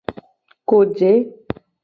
Koje.